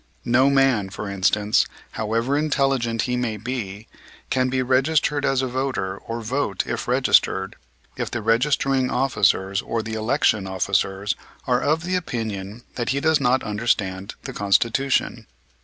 No man, for instance, however intelligent he may be, can be registered as a voter or vote if registered, if the registering officers or the election officers are of the opinion that he does not understand the Constitution.